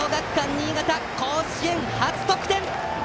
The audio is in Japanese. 新潟、甲子園初得点！